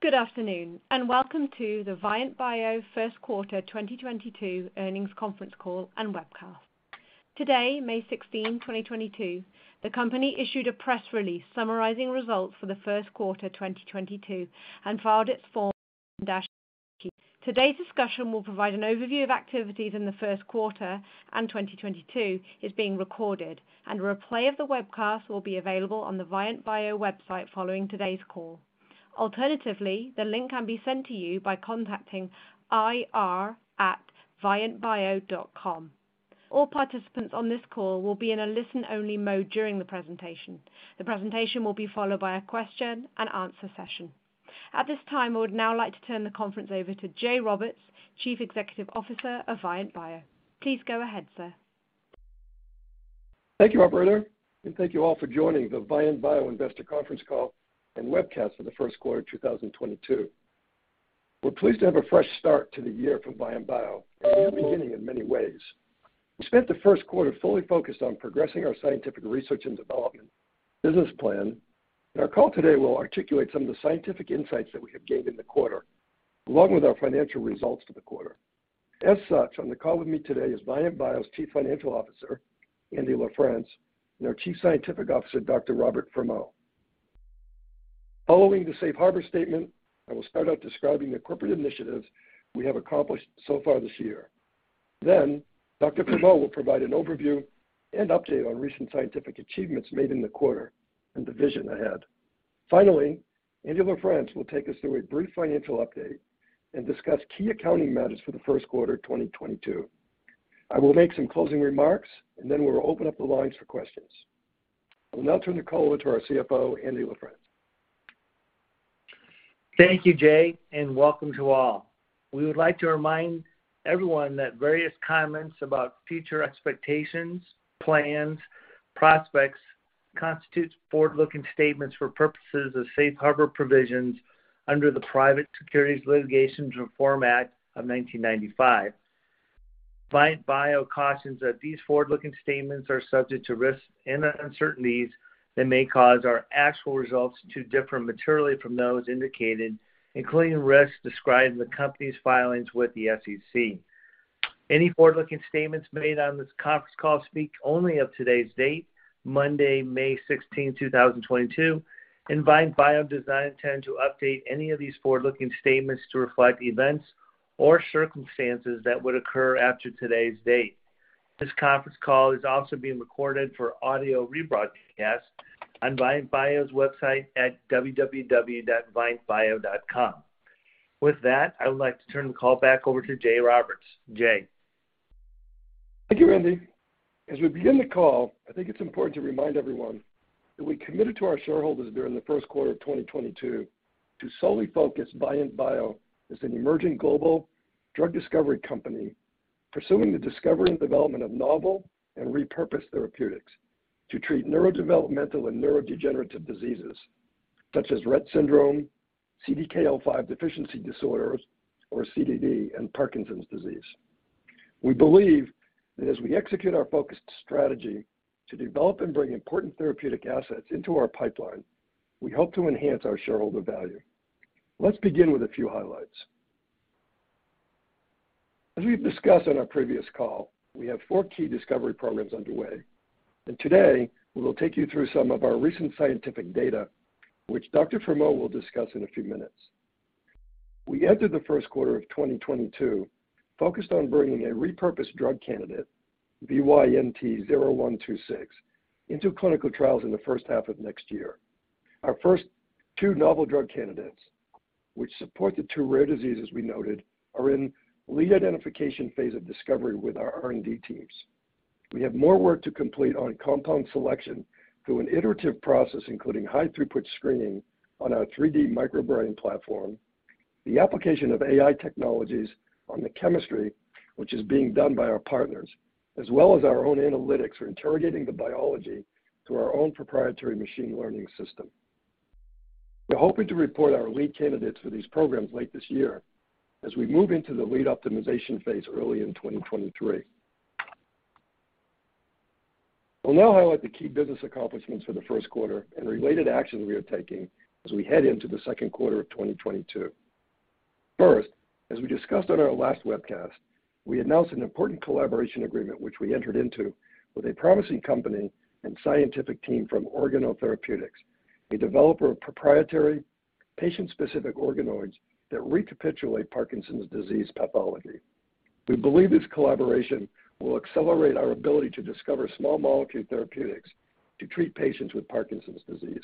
Good afternoon, and welcome to the Vyant Bio First Quarter 2022 Earnings Conference Call and Webcast. Today, May 16th, 2022, the company issued a press release summarizing results for the first quarter 2022 and filed its Form 10-Q. Today's discussion will provide an overview of activities in the first quarter of 2022. This call is being recorded, and a replay of the webcast will be available on the Vyant Bio website following today's call. Alternatively, the link can be sent to you by contacting ir@vyantbio.com. All participants on this call will be in a listen-only mode during the presentation. The presentation will be followed by a question and answer session. At this time, I would now like to turn the conference over to Jay Roberts, Chief Executive Officer of Vyant Bio. Please go ahead, sir. Thank you, Operator, and thank you all for joining the Vyant Bio Investor Conference Call and Webcast for the First Quarter of 2022. We're pleased to have a fresh start to the year from Vyant Bio, a new beginning in many ways. We spent the first quarter fully focused on progressing our scientific research and development business plan, and our call today will articulate some of the scientific insights that we have gained in the quarter, along with our financial results for the quarter. As such, on the call with me today is Vyant Bio's Chief Financial Officer, Andy LaFrence, and our Chief Scientific Officer, Dr. Robert Fremeau. Following the safe harbor statement, I will start out describing the corporate initiatives we have accomplished so far this year. Dr. Fremeau will provide an overview and update on recent scientific achievements made in the quarter and the vision ahead. Finally, Andy LaFrence will take us through a brief financial update and discuss key accounting matters for the first quarter of 2022. I will make some closing remarks, and then we will open up the lines for questions. I will now turn the call over to our CFO, Andy LaFrence. Thank you, Jay, and welcome to all. We would like to remind everyone that various comments about future expectations, plans, prospects constitutes forward-looking statements for purposes of safe harbor provisions under the Private Securities Litigation Reform Act of 1995. Vyant Bio cautions that these forward-looking statements are subject to risks and uncertainties that may cause our actual results to differ materially from those indicated, including risks described in the company's filings with the SEC. Any forward-looking statements made on this conference call speak only of today's date, Monday, May 16th, 2022, and Vyant Bio does not intend to update any of these forward-looking statements to reflect events or circumstances that would occur after today's date. This conference call is also being recorded for audio rebroadcast on Vyant Bio's website at www.vyantbio.com. With that, I would like to turn the call back over to Jay Roberts. Jay. Thank you, Andy. As we begin the call, I think it's important to remind everyone that we committed to our shareholders during the first quarter of 2022 to solely focus Vyant Bio as an emerging global drug discovery company, pursuing the discovery and development of novel and repurposed therapeutics to treat neurodevelopmental and neurodegenerative diseases such as Rett syndrome, CDKL5 deficiency disorders or CDD, and Parkinson's disease. We believe that as we execute our focused strategy to develop and bring important therapeutic assets into our pipeline, we hope to enhance our shareholder value. Let's begin with a few highlights. As we've discussed on our previous call, we have four key discovery programs underway, and today we will take you through some of our recent scientific data, which Dr. Fremeau will discuss in a few minutes. We entered the first quarter of 2022 focused on bringing a repurposed drug candidate, VYNT0126, into clinical trials in the first half of next year. Our first two novel drug candidates, which support the two rare diseases we noted, are in lead identification phase of discovery with our R&D teams. We have more work to complete on compound selection through an iterative process, including high-throughput screening on our 3D microBrain platform, the application of AI technologies on the chemistry which is being done by our partners, as well as our own analytics for interrogating the biology through our own proprietary machine learning system. We're hoping to report our lead candidates for these programs late this year as we move into the lead optimization phase early in 2023. I'll now highlight the key business accomplishments for the first quarter and related actions we are taking as we head into the second quarter of 2022. First, as we discussed on our last webcast, we announced an important collaboration agreement which we entered into with a promising company and scientific team from OrganoTherapeutics, a developer of proprietary patient-specific organoids that recapitulate Parkinson's disease pathology. We believe this collaboration will accelerate our ability to discover small molecule therapeutics to treat patients with Parkinson's disease.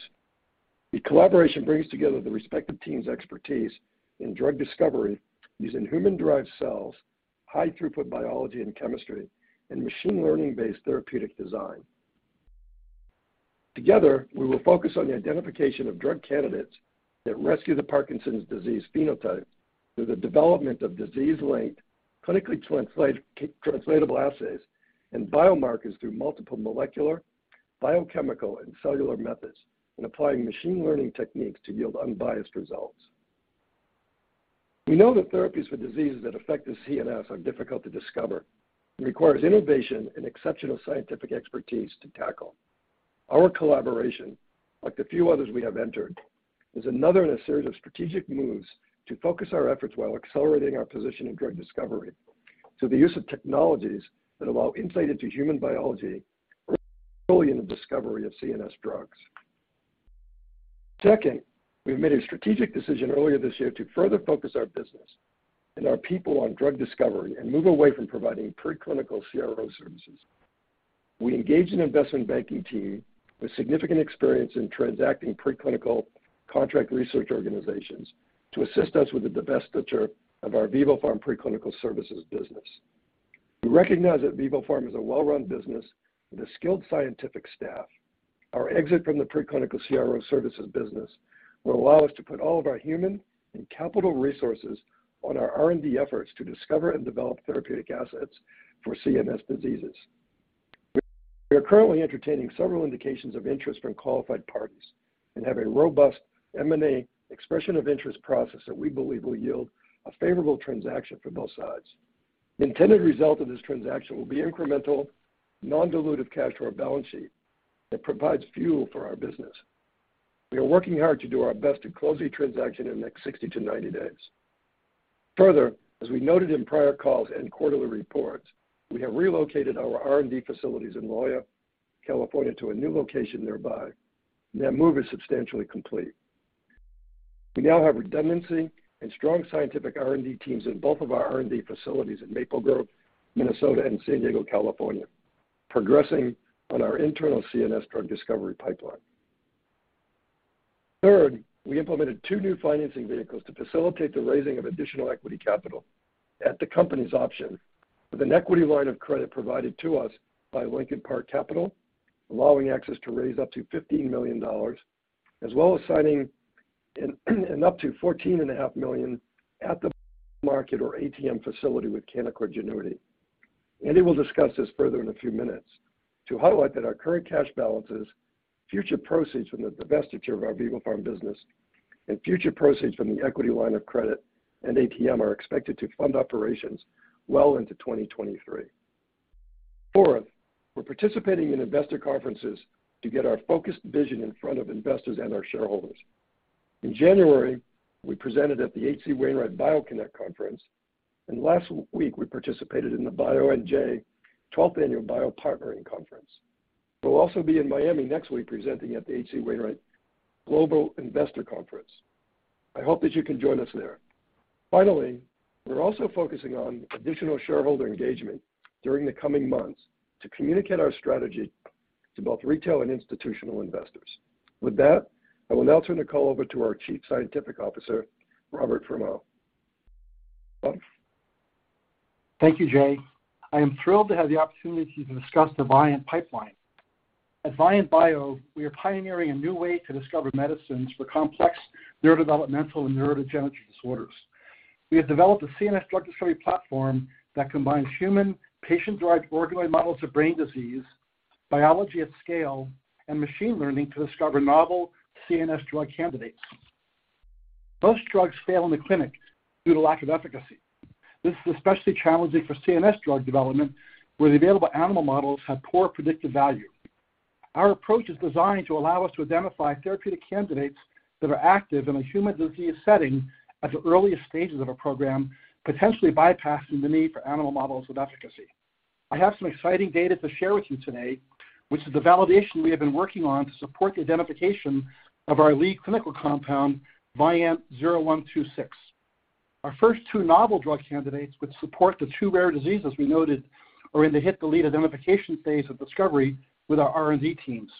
The collaboration brings together the respective team's expertise in drug discovery using human-derived cells, high-throughput biology and chemistry, and machine learning-based therapeutic design. Together, we will focus on the identification of drug candidates that rescue the Parkinson's disease phenotype through the development of disease-linked, clinically translatable assays and biomarkers through multiple molecular, biochemical, and cellular methods, and applying machine learning techniques to yield unbiased results. We know that therapies for diseases that affect the CNS are difficult to discover and requires innovation and exceptional scientific expertise to tackle. Our collaboration, like the few others we have entered, is another in a series of strategic moves to focus our efforts while accelerating our position in drug discovery through the use of technologies that allow insight into human biology discovery of CNS drugs. Second, we made a strategic decision earlier this year to further focus our business and our people on drug discovery and move away from providing preclinical CRO services. We engaged an investment banking team with significant experience in transacting preclinical contract research organizations to assist us with the divestiture of our vivoPharm preclinical services business. We recognize that vivoPharm is a well-run business with a skilled scientific staff. Our exit from the preclinical CRO services business will allow us to put all of our human and capital resources on our R&D efforts to discover and develop therapeutic assets for CNS diseases. We are currently entertaining several indications of interest from qualified parties and have a robust M&A expression of interest process that we believe will yield a favorable transaction for both sides. The intended result of this transaction will be incremental, non-dilutive cash to our balance sheet that provides fuel for our business. We are working hard to do our best to close the transaction in the next 60-90 days. Further, as we noted in prior calls and quarterly reports, we have relocated our R&D facilities in La Jolla, California, to a new location nearby. That move is substantially complete. We now have redundancy and strong scientific R&D teams in both of our R&D facilities in Maple Grove, Minnesota and San Diego, California, progressing on our internal CNS drug discovery pipeline. Third, we implemented two new financing vehicles to facilitate the raising of additional equity capital at the company's option with an equity line of credit provided to us by Lincoln Park Capital, allowing access to raise up to $15 million, as well as signing an up to $14.5 million at-the-market or ATM facility with Canaccord Genuity. Andy will discuss this further in a few minutes to highlight that our current cash balances, future proceeds from the divestiture of our vivoPharm business and future proceeds from the equity line of credit and ATM are expected to fund operations well into 2023. Fourth, we're participating in investor conferences to get our focused vision in front of investors and our shareholders. In January, we presented at the H.C. Wainwright BioConnect conference, and last week we participated in the BioNJ 12th Annual BioPartnering conference. We'll also be in Miami next week presenting at the H.C. Wainwright Global Investor Conference. I hope that you can join us there. Finally, we're also focusing on additional shareholder engagement during the coming months to communicate our strategy to both retail and institutional investors. With that, I will now turn the call over to our Chief Scientific Officer, Robert Fremeau. Bob? Thank you, Jay. I am thrilled to have the opportunity to discuss the Vyant pipeline. At Vyant Bio, we are pioneering a new way to discover medicines for complex neurodevelopmental and neurodegenerative disorders. We have developed a CNS drug discovery platform that combines human patient-derived organoid models of brain disease, biology at scale, and machine learning to discover novel CNS drug candidates. Most drugs fail in the clinic due to lack of efficacy. This is especially challenging for CNS drug development, where the available animal models have poor predictive value. Our approach is designed to allow us to identify therapeutic candidates that are active in a human disease setting at the earliest stages of a program, potentially bypassing the need for animal models with efficacy. I have some exciting data to share with you today, which is the validation we have been working on to support the identification of our lead clinical compound, VYNT-0126. Our first two novel drug candidates, which support the two rare diseases we noted, are in the hit-to-lead identification phase of discovery with our R&D teams.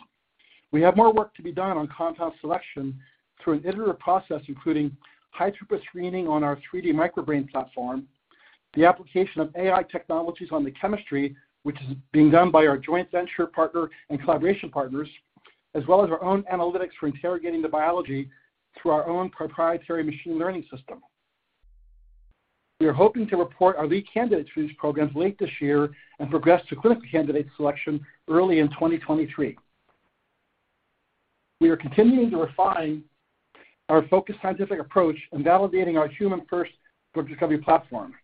We have more work to be done on compound selection through an iterative process, including high-throughput screening on our 3D microBrain platform, the application of AI technologies on the chemistry, which is being done by our joint venture partner and collaboration partners, as well as our own analytics for interrogating the biology through our own proprietary machine learning system. We are hoping to report our lead candidates for these programs late this year and progress to clinical candidate selection early in 2023. We are continuing to refine our focused scientific approach in validating our human first drug discovery platform.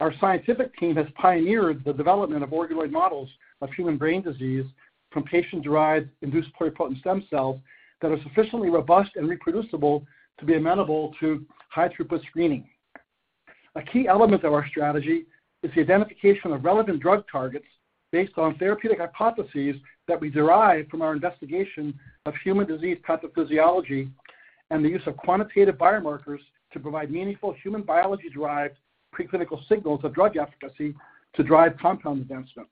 Our scientific team has pioneered the development of organoid models of human brain disease from patient-derived induced pluripotent stem cells that are sufficiently robust and reproducible to be amenable to high-throughput screening. A key element of our strategy is the identification of relevant drug targets based on therapeutic hypotheses that we derive from our investigation of human disease pathophysiology and the use of quantitative biomarkers to provide meaningful human biology-derived pre-clinical signals of drug efficacy to drive compound advancement.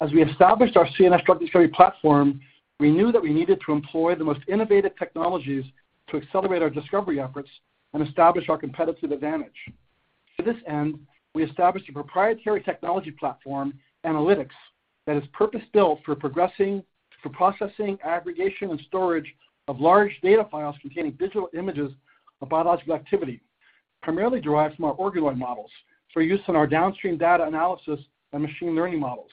As we established our CNS drug discovery platform, we knew that we needed to employ the most innovative technologies to accelerate our discovery efforts and establish our competitive advantage. To this end, we established a proprietary technology platform analytics that is purpose-built for processing, aggregation, and storage of large data files containing digital images of biological activity, primarily derived from our organoid models for use in our downstream data analysis and machine learning models.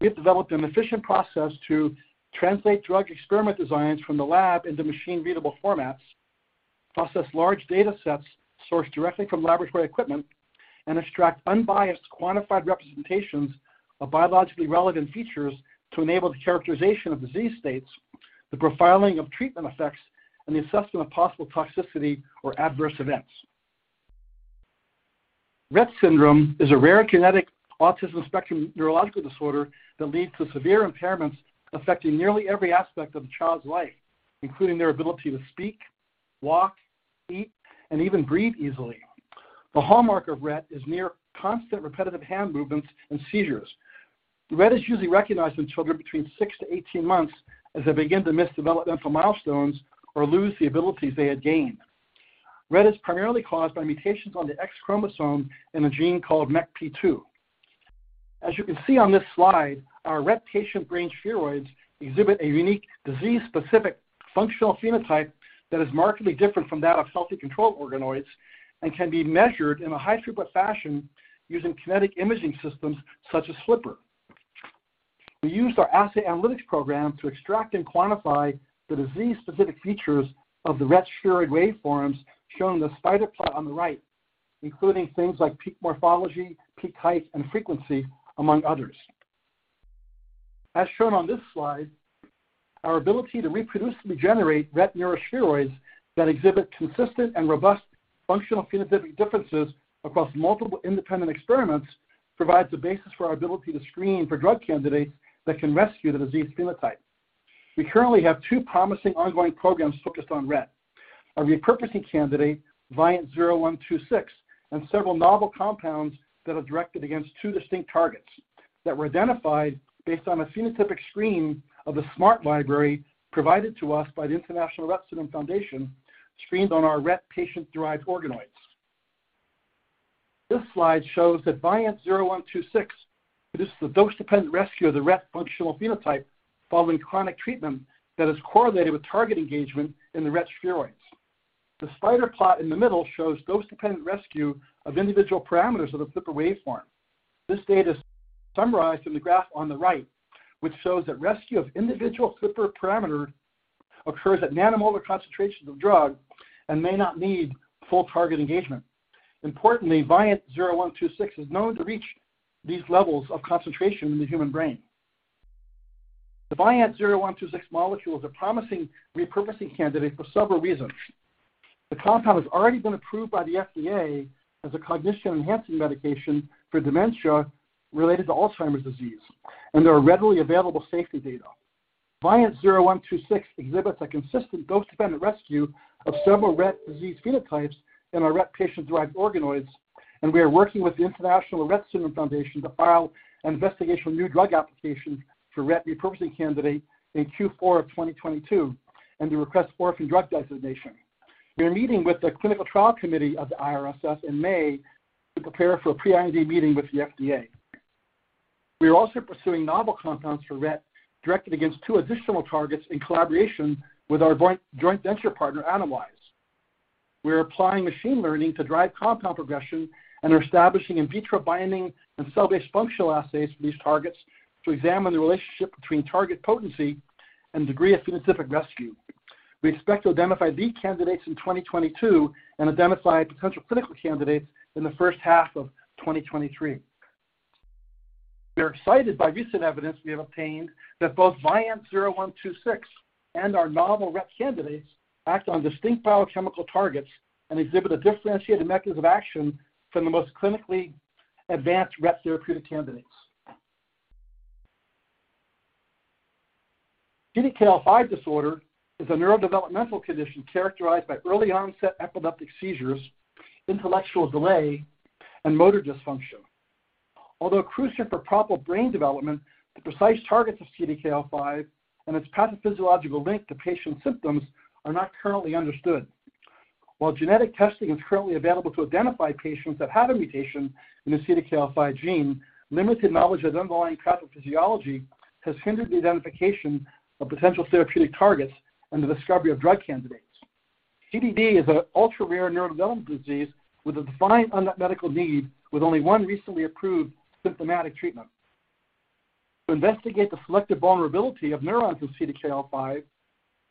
We have developed an efficient process to translate drug experiment designs from the lab into machine-readable formats, process large data sets sourced directly from laboratory equipment, and extract unbiased quantified representations of biologically relevant features to enable the characterization of disease states, the profiling of treatment effects, and the assessment of possible toxicity or adverse events. Rett syndrome is a rare genetic autism spectrum neurological disorder that leads to severe impairments affecting nearly every aspect of the child's life, including their ability to speak, walk, eat, and even breathe easily. The hallmark of Rett is near constant repetitive hand movements and seizures. Rett is usually recognized in children between six to 18 months as they begin to miss developmental milestones or lose the abilities they had gained. Rett is primarily caused by mutations on the X chromosome in a gene called MeCP2. As you can see on this slide, our Rett patient brain spheroids exhibit a unique disease-specific functional phenotype that is markedly different from that of healthy control organoids and can be measured in a high-throughput fashion using kinetic imaging systems such as CellSlipper. We used our assay analytics program to extract and quantify the disease-specific features of the Rett spheroid waveforms shown in the spider plot on the right, including things like peak morphology, peak height, and frequency, among others. As shown on this slide, our ability to reproducibly generate Rett neurospheroids that exhibit consistent and robust functional phenotypic differences across multiple independent experiments provides the basis for our ability to screen for drug candidates that can rescue the disease phenotype. We currently have two promising ongoing programs focused on Rett. A repurposing candidate, VYNT-0126, and several novel compounds that are directed against two distinct targets that were identified based on a phenotypic screen of the SMART Library provided to us by the International Rett Syndrome Foundation, screened on our Rett patient-derived organoids. This slide shows that VYNT-0126 produces the dose-dependent rescue of the Rett functional phenotype following chronic treatment that is correlated with target engagement in the Rett spheroids. The spider plot in the middle shows dose-dependent rescue of individual parameters of the CellSlipper waveform. This data is summarized in the graph on the right, which shows that rescue of individual CellSlipper parameter occurs at nanomolar concentrations of drug and may not need full target engagement. Importantly, VYNT-0126 is known to reach these levels of concentration in the human brain. The VYNT-0126 molecule is a promising repurposing candidate for several reasons. The compound has already been approved by the FDA as a cognition-enhancing medication for dementia related to Alzheimer's disease, and there are readily available safety data. VYNT-0126 exhibits a consistent dose-dependent rescue of several Rett disease phenotypes in our Rett patient-derived organoids, and we are working with the International Rett Syndrome Foundation to file an investigational new drug application for Rett repurposing candidate in Q4 of 2022 and to request orphan drug designation. We are meeting with the clinical trial committee of the IRSF in May to prepare for a pre-IND meeting with the FDA. We are also pursuing novel compounds for Rett directed against two additional targets in collaboration with our joint venture partner, Atomwise. We are applying machine learning to drive compound progression and are establishing in vitro binding and cell-based functional assays for these targets to examine the relationship between target potency and degree of phenotypic rescue. We expect to identify lead candidates in 2022 and identify potential clinical candidates in the first half of 2023. We are excited by recent evidence we have obtained that both VYNT-0126 and our novel Rett candidates act on distinct biochemical targets and exhibit a differentiated mechanism of action from the most clinically advanced Rett therapeutic candidates. CDKL5 disorder is a neurodevelopmental condition characterized by early-onset epileptic seizures, intellectual delay, and motor dysfunction. Although crucial for proper brain development, the precise targets of CDKL5 and its pathophysiological link to patient symptoms are not currently understood. While genetic testing is currently available to identify patients that have a mutation in the CDKL5 gene, limited knowledge of the underlying pathophysiology has hindered the identification of potential therapeutic targets and the discovery of drug candidates. CDD is an ultra-rare neurodevelopmental disease with a defined unmet medical need, with only one recently approved symptomatic treatment. To investigate the selective vulnerability of neurons with CDKL5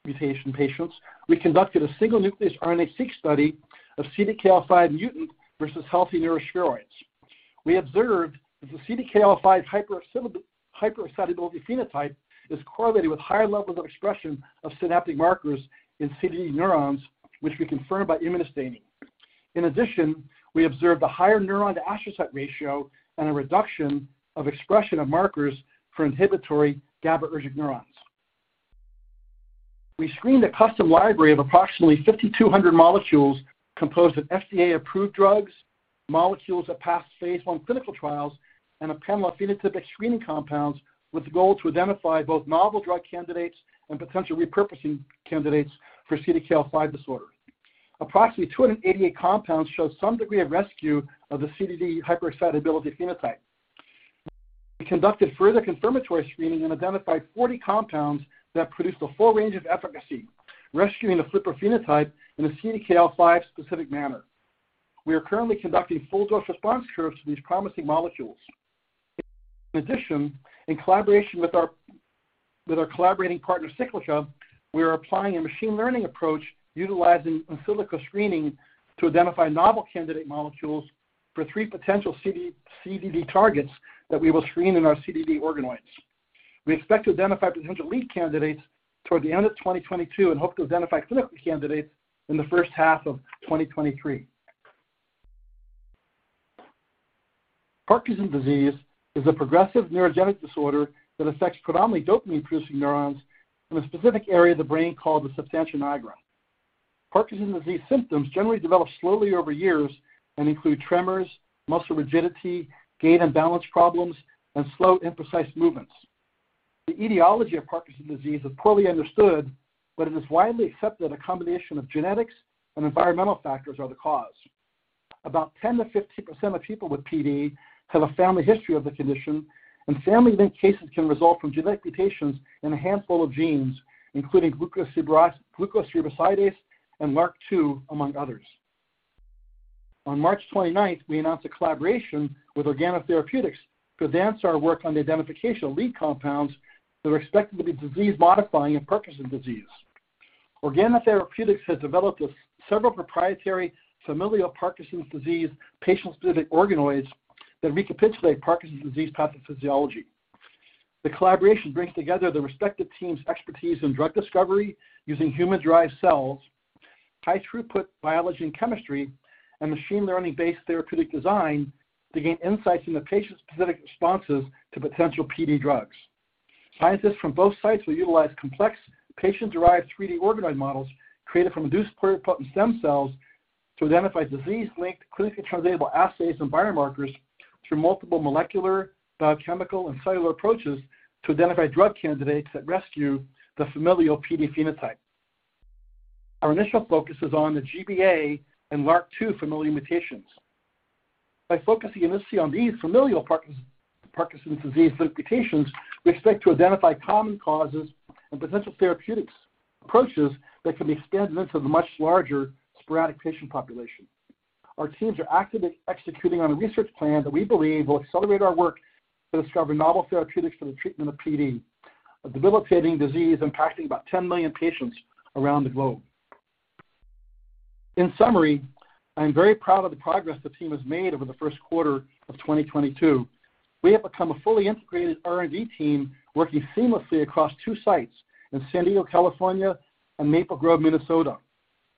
mutation patients, we conducted a single-nucleus RNA-seq study of CDKL5 mutant versus healthy neurospheroids. We observed that the CDKL5 hyperexcitability phenotype is correlated with higher levels of expression of synaptic markers in CDD neurons, which we confirmed by immunostaining. In addition, we observed a higher neuron-to-astrocyte ratio and a reduction of expression of markers for inhibitory GABAergic neurons. We screened a custom library of approximately 5,200 molecules composed of FDA-approved drugs, molecules that passed phase one clinical trials, and a panel of phenotypic screening compounds with the goal to identify both novel drug candidates and potential repurposing candidates for CDKL5 disorder. Approximately 288 compounds showed some degree of rescue of the CDD hyperexcitability phenotype. We conducted further confirmatory screening and identified 40 compounds that produced a full range of efficacy, rescuing the Slipper phenotype in a CDKL5-specific manner. We are currently conducting full dose response curves for these promising molecules. In addition, in collaboration with our collaborating partner, Cyclica, we are applying a machine learning approach utilizing in silico screening to identify novel candidate molecules for three potential CDD targets that we will screen in our CDD organoids. We expect to identify potential lead candidates toward the end of 2022 and hope to identify clinical candidates in the first half of 2023. Parkinson's disease is a progressive neurogenic disorder that affects predominantly dopamine-producing neurons in a specific area of the brain called the substantia nigra. Parkinson's disease symptoms generally develop slowly over years and include tremors, muscle rigidity, gait and balance problems, and slow, imprecise movements. The etiology of Parkinson's disease is poorly understood, but it is widely accepted a combination of genetics and environmental factors are the cause. About 10%-15% of people with PD have a family history of the condition, and family-linked cases can result from genetic mutations in a handful of genes, including glucocerebrosidase and LRRK2, among others. On March 29th, we announced a collaboration with OrganoTherapeutics to advance our work on the identification of lead compounds that are expected to be disease-modifying in Parkinson's disease. OrganoTherapeutics has developed several proprietary familial Parkinson's disease patient-specific organoids that recapitulate Parkinson's disease pathophysiology. The collaboration brings together the respective teams' expertise in drug discovery using human-derived cells, high-throughput biology and chemistry, and machine learning-based therapeutic design to gain insights into patient-specific responses to potential PD drugs. Scientists from both sites will utilize complex patient-derived 3D organoid models created from induced pluripotent stem cells to identify disease-linked, clinically translatable assays and biomarkers through multiple molecular, biochemical, and cellular approaches to identify drug candidates that rescue the familial PD phenotype. Our initial focus is on the GBA and LRRK2 familial mutations. By focusing initially on these familial Parkinson's disease mutations, we expect to identify common causes and potential therapeutics approaches that can be extended into the much larger sporadic patient population. Our teams are actively executing on a research plan that we believe will accelerate our work to discover novel therapeutics for the treatment of PD, a debilitating disease impacting about 10 million patients around the globe. In summary, I'm very proud of the progress the team has made over the first quarter of 2022. We have become a fully integrated R&D team working seamlessly across two sites in San Diego, California and Maple Grove, Minnesota.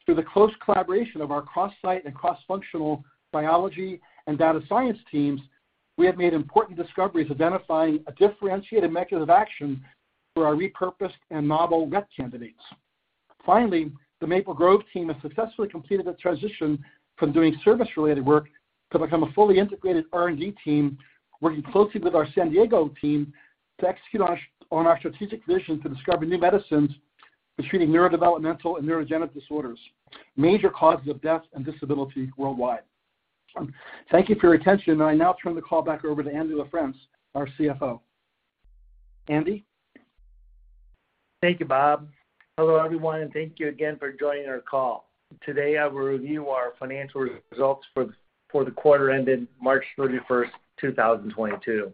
Through the close collaboration of our cross-site and cross-functional biology and data science teams, we have made important discoveries identifying a differentiated mechanism of action for our repurposed and novel Rett candidates. Finally, the Maple Grove team has successfully completed a transition from doing service-related work to become a fully integrated R&D team working closely with our San Diego team to execute on our strategic vision to discover new medicines for treating neurodevelopmental and neurodegenerative disorders, major causes of death and disability worldwide. Thank you for your attention, and I now turn the call back over to Andy LaFrence, our CFO. Andy? Thank you, Bob. Hello, everyone, and thank you again for joining our call. Today, I will review our financial results for the quarter ended March 31st, 2022.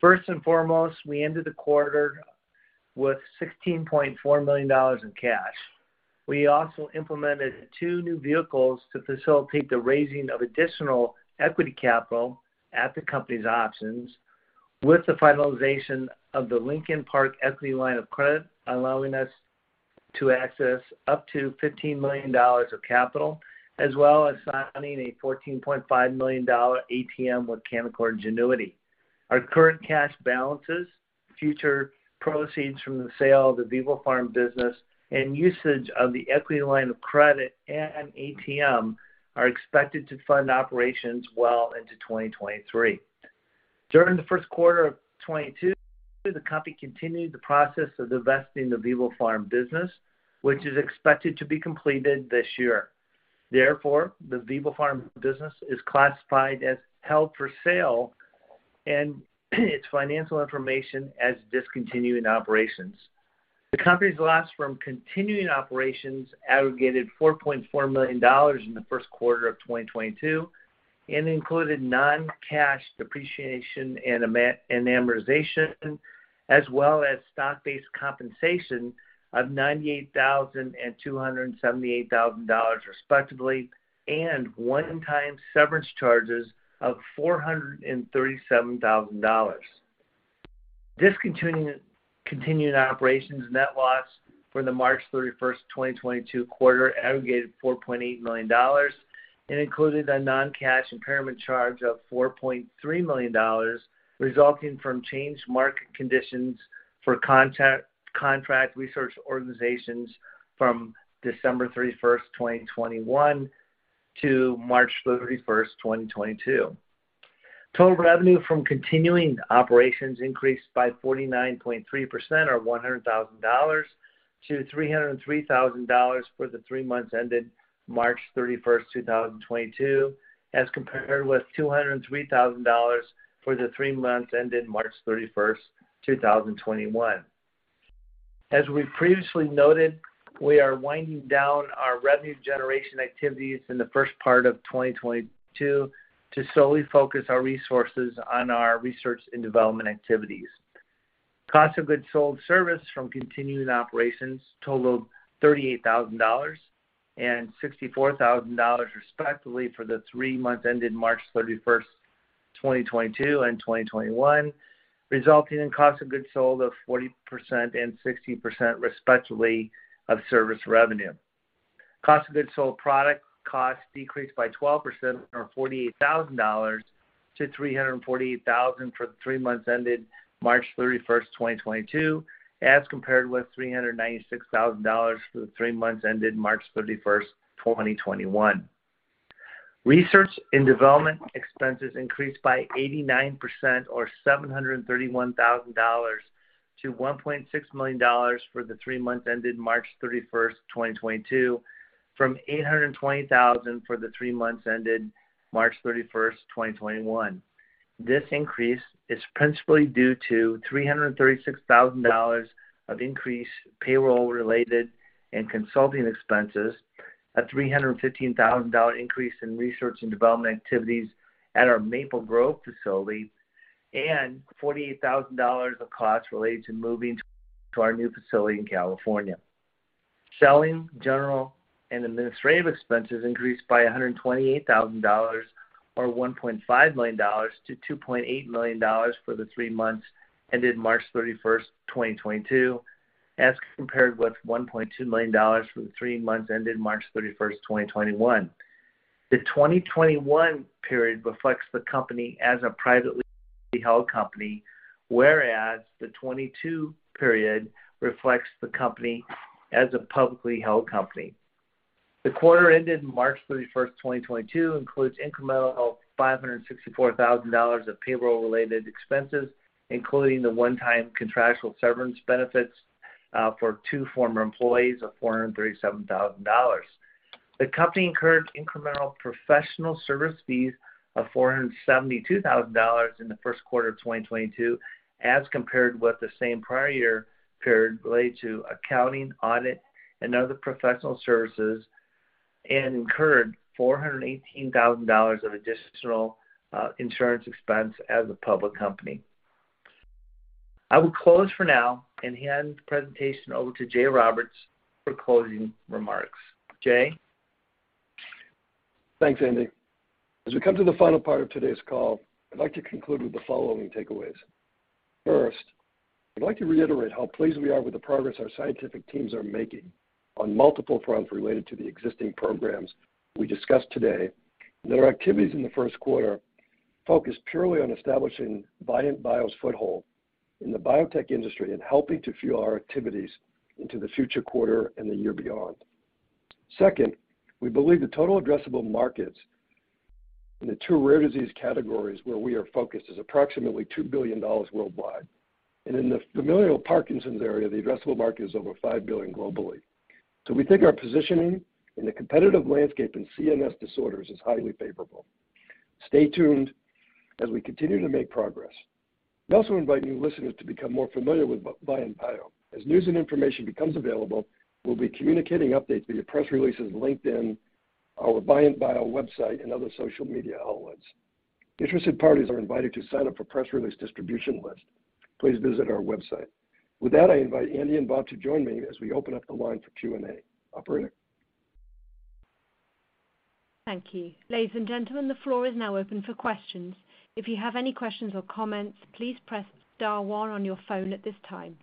First and foremost, we ended the quarter with $16.4 million in cash. We also implemented two new vehicles to facilitate the raising of additional equity capital at the company's option with the finalization of the Lincoln Park Capital equity line of credit, allowing us to access up to $15 million of capital, as well as signing a $14.5 million dollar ATM with Canaccord Genuity. Our current cash balances, future proceeds from the sale of the vivoPharm business, and usage of the equity line of credit and ATM are expected to fund operations well into 2023. During the first quarter of 2022, the company continued the process of divesting the vivoPharm business, which is expected to be completed this year. Therefore, the vivoPharm business is classified as held for sale and its financial information as discontinued operations. The company's loss from continuing operations aggregated $4.4 million in the first quarter of 2022 and included non-cash depreciation and amortization, as well as stock-based compensation of $98,000 and $278,000 respectively, and one-time severance charges of $437,000. Discontinued operations net loss for the March 31st, 2022 quarter aggregated $4.8 million and included a non-cash impairment charge of $4.3 million resulting from changed market conditions for contract research organizations from December 31st, 2021 to March 31st, 2022. Total revenue from continuing operations increased by 49.3% or $100,000 to $303,000 for the three months ended March 31st, 2022, as compared with $203,000 for the three months ended March 31st, 2021. As we previously noted, we are winding down our revenue generation activities in the first part of 2022 to solely focus our resources on our research and development activities. Cost of goods sold service from continuing operations totaled $38,000 and $64,000, respectively, for the three months ended March 31st, 2022 and 2021, resulting in cost of goods sold of 40% and 60%, respectively, of service revenue. Cost of goods sold product costs decreased by 12% or $48,000 to $348,000 for the three months ended March 31st, 2022, as compared with $396,000 for the three months ended March 31st, 2021. Research and development expenses increased by 89% or $731,000 to $1.6 million for the three months ended March 31st, 2022 from $820,000 for the three months ended March 31st, 2021. This increase is principally due to $336,000 of increased payroll-related and consulting expenses, a $315,000 increase in research and development activities at our Maple Grove facility, and $48,000 of costs related to moving to our new facility in California. Selling, general and administrative expenses increased by $128,000 or $1.5 million to $2.8 million for the three months ended March 31st, 2022, as compared with $1.2 million for the three months ended March 31st, 2021. The 2021 period reflects the company as a privately held company, whereas the 2022 period reflects the company as a publicly held company. The quarter ended March 31st, 2022 includes incremental $564,000 of payroll-related expenses, including the one-time contractual severance benefits for two former employees of $437,000. The company incurred incremental professional service fees of $472,000 in the first quarter of 2022 as compared with the same prior year period related to accounting, audit, and other professional services, and incurred $418,000 of additional insurance expense as a public company. I will close for now and hand the presentation over to Jay Roberts for closing remarks. Jay? Thanks, Andy. As we come to the final part of today's call, I'd like to conclude with the following takeaways. First, I'd like to reiterate how pleased we are with the progress our scientific teams are making on multiple fronts related to the existing programs we discussed today. Our activities in the first quarter focused purely on establishing Vyant Bio's foothold in the biotech industry and helping to fuel our activities into the future quarter and the year beyond. Second, we believe the total addressable markets in the two rare disease categories where we are focused is approximately $2 billion worldwide. In the familial Parkinson's area, the addressable market is over $5 billion globally. We think our positioning in the competitive landscape in CNS disorders is highly favorable. Stay tuned as we continue to make progress. We also invite new listeners to become more familiar with Vyant Bio. As news and information becomes available, we'll be communicating updates via press releases, LinkedIn, our Vyant Bio website, and other social media outlets. Interested parties are invited to sign up for press release distribution list. Please visit our website. With that, I invite Andy and Bob to join me as we open up the line for Q&A. Operator? Thank you. Ladies and gentlemen, the floor is now open for questions. If you have any questions or comments, please press star one on your phone at this time.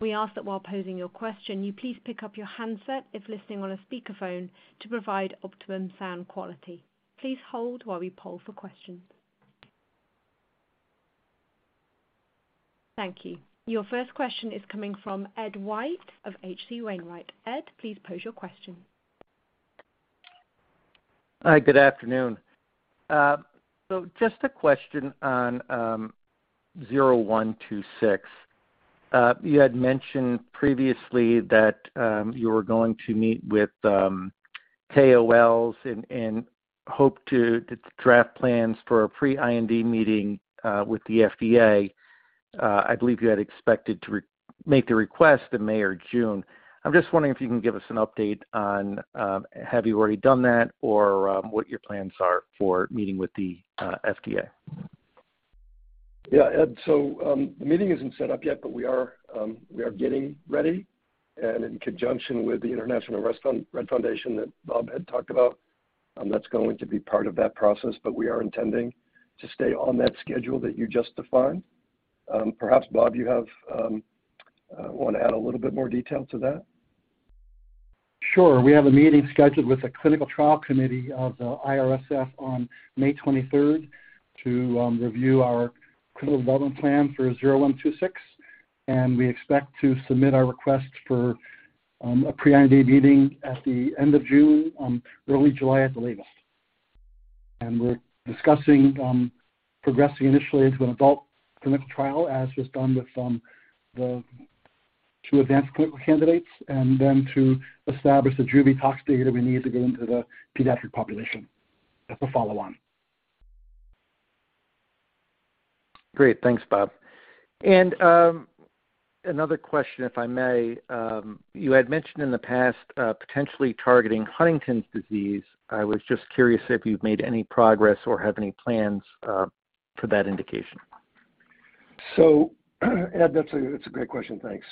We ask that while posing your question, you please pick up your handset if listening on a speakerphone to provide optimum sound quality. Please hold while we poll for questions. Thank you. Your first question is coming from Ed White of H.C. Wainwright. Ed, please pose your question. Hi, good afternoon. Just a question on VYNT-0126. You had mentioned previously that you were going to meet with KOLs and hope to draft plans for a pre-IND meeting with the FDA. I believe you had expected to remake the request in May or June. I'm just wondering if you can give us an update on have you already done that or what your plans are for meeting with the FDA. Yeah, Ed, so, the meeting isn't set up yet, but we are getting ready. In conjunction with the International Rett Syndrome Foundation that Bob had talked about, that's going to be part of that process, but we are intending to stay on that schedule that you just defined. Perhaps, Bob, you want to add a little bit more detail to that? Sure. We have a meeting scheduled with the clinical trial committee of the IRSF on May 23rd to review our clinical development plan for 0126, and we expect to submit our request for a pre-IND meeting at the end of June, early July at the latest. We're discussing progressing initially into an adult clinical trial as was done with the two advanced clinical candidates and then to establish the juvenile tox data we need to get into the pediatric population as a follow-on. Great. Thanks, Bob. Another question, if I may. You had mentioned in the past potentially targeting Huntington's disease. I was just curious if you've made any progress or have any plans for that indication. Ed, that's a great question, thanks.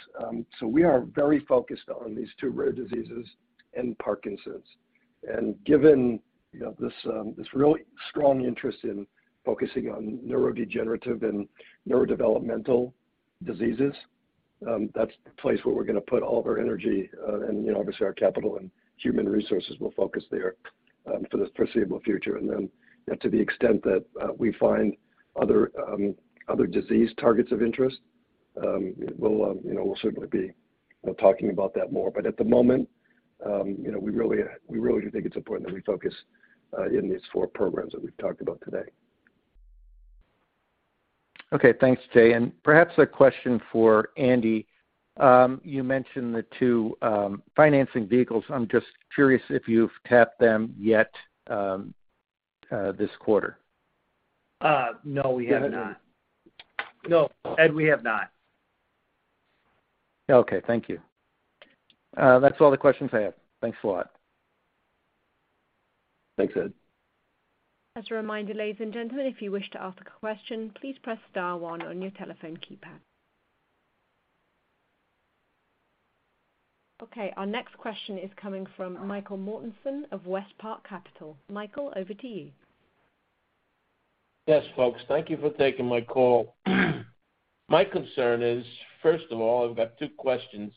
We are very focused on these two rare diseases and Parkinson's. Given this really strong interest in focusing on neurodegenerative and neurodevelopmental diseases, that's the place where we're gonna put all of our energy, obviously our capital and human resources will focus there for the foreseeable future. To the extent that we find other disease targets of interest, we'll certainly be talking about that more. At the moment, we really do think it's important that we focus on these four programs that we've talked about today. Okay. Thanks, Jay. Perhaps a question for Andy. You mentioned the two financing vehicles. I'm just curious if you've tapped them yet, this quarter? No, we have not. Go ahead, Andy. No, Ed, we have not. Okay, thank you. That's all the questions I have. Thanks a lot. Thanks, Ed. As a reminder, ladies and gentlemen, if you wish to ask a question, please press star one on your telephone keypad. Okay, our next question is coming from Michael Mortensen of WestPark Capital. Michael, over to you. Yes, folks. Thank you for taking my call. My concern is, first of all, I've got two questions.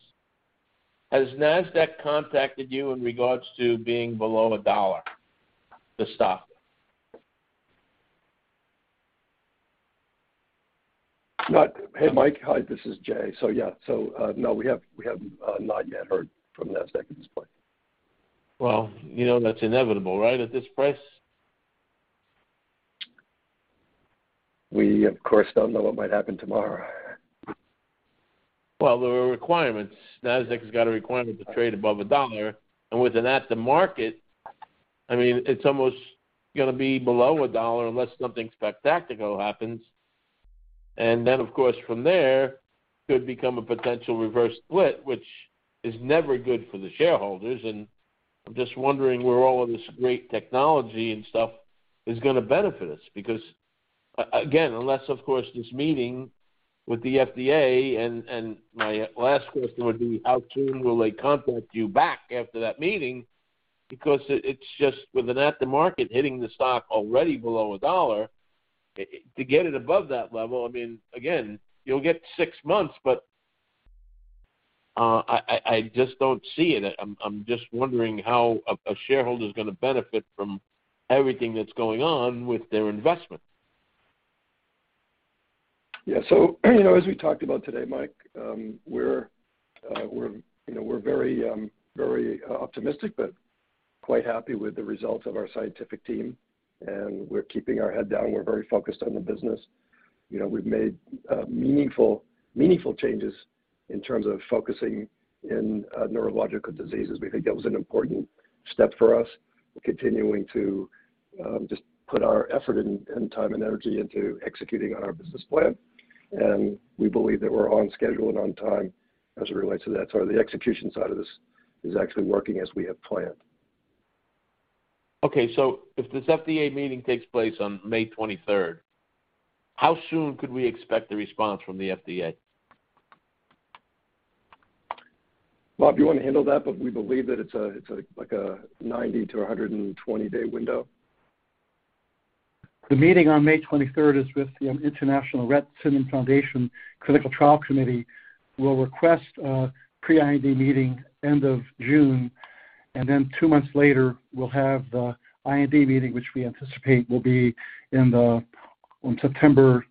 Has Nasdaq contacted you in regards to being below $1, the stock? Hey, Mike. Hi, this is Jay. Yeah. No, we have not yet heard from Nasdaq at this point. Well, you know that's inevitable, right, at this price? We, of course, don't know what might happen tomorrow. Well, there are requirements. Nasdaq has got a requirement to trade above $1. With an after market, I mean, it's almost gonna be below $1 unless something spectacular happens. Of course, from there could become a potential reverse split, which is never good for the shareholders. I'm just wondering where all of this great technology and stuff is gonna benefit us because again, unless of course this meeting with the FDA and my last question would be, how soon will they contact you back after that meeting? Because it's just with an after market hitting the stock already below $1 to get it above that level, I mean, again, you'll get six months, but I just don't see it. I'm just wondering how a shareholder is gonna benefit from everything that's going on with their investment. Yeah. You know, as we talked about today, Mike, we're very optimistic, but quite happy with the results of our scientific team, and we're keeping our head down. We're very focused on the business. You know, we've made meaningful changes in terms of focusing on neurological diseases. We think that was an important step for us. We're continuing to just put our effort and time and energy into executing on our business plan. We believe that we're on schedule and on time as it relates to that. The execution side of this is actually working as we have planned. Okay. If this FDA meeting takes place on May 23rd, how soon could we expect the response from the FDA? Bob, do you wanna handle that? We believe that it's a like a 90-120-day window. The meeting on May 23rd is with the International Rett Syndrome Foundation Clinical Trial Committee. We'll request a pre-IND meeting end of June, and then two months later, we'll have the IND meeting, which we anticipate will be in the September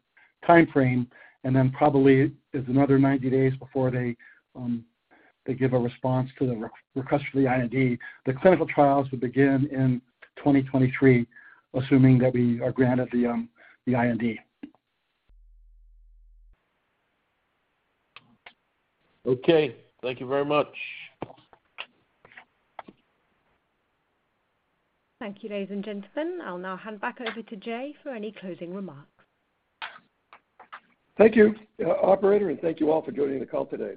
timeframe, and then probably another 90 days before they give a response to the request for the IND. The clinical trials would begin in 2023, assuming that we are granted the IND. Okay. Thank you very much. Thank you, ladies and gentlemen. I'll now hand back over to Jay for any closing remarks. Thank you, operator, and thank you all for joining the call today.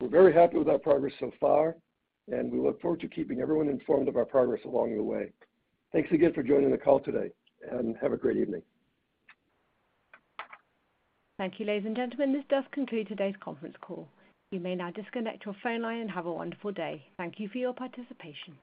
We're very happy with our progress so far, and we look forward to keeping everyone informed of our progress along the way. Thanks again for joining the call today, and have a great evening. Thank you, ladies and gentlemen. This does conclude today's conference call. You may now disconnect your phone line and have a wonderful day. Thank you for your participation.